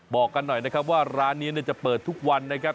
บอกกันหน่อยนะครับว่าร้านนี้จะเปิดทุกวันนะครับ